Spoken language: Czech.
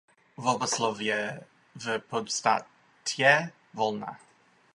Volba slov je v podstatě volná.